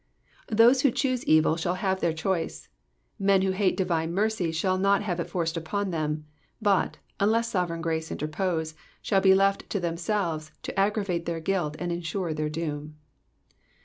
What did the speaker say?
*' Those who choose evil shall have their choice. Men who hate divine mercy shall not have it forced upon them, but (unless sovereign grace interpose) shall be left to themselves to aggravate their guilt, and ensure their doom.